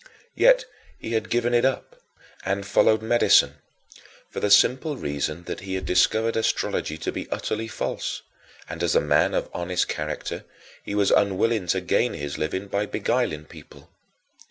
Yet, he had given it up and followed medicine for the simple reason that he had discovered astrology to be utterly false and, as a man of honest character, he was unwilling to gain his living by beguiling people.